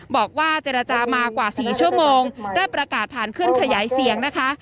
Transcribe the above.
บอกว่าเจรจามากว่า๔ชั่วโมงได้ประกาศผ่านเครื่องขยายเสียงนะคะ